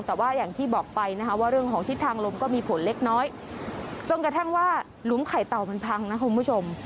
แต่ว่าอย่างที่บอกไปนะคะว่าเรื่องของทิศทางลมก็มีฝนเล็กน้อยจนกระทั่งว่าหลุมไข่เต่ามันพังนะคุณผู้ชม